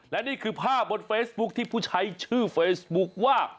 และนี่คือภาพบนเฟซบุ๊คที่ผู้ใช้ชื่อเฟซบุ๊คว่า